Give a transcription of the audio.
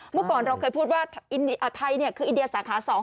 เมื่อก่อนเราเคยพูดว่าไทยคืออินเดียสาขา๒